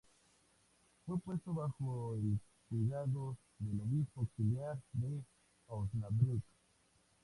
Fue puesto bajo el cuidado del obispo auxiliar de Osnabrück.